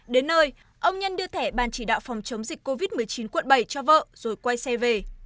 đến nơi ông nhân đưa thẻ ban chỉ đạo phòng chống dịch covid một mươi chín quận bảy cho vợ rồi quay xe về